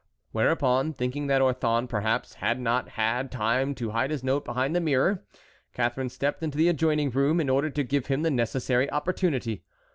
Whereupon, thinking that Orthon perhaps had not had time to hide his note behind the mirror, Catharine stepped into the adjoining room in order to give him the necessary opportunity.